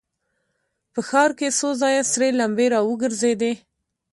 په ښار کې څو ځایه سرې لمبې را وګرځېدې.